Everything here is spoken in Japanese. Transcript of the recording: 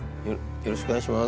よろしくお願いします。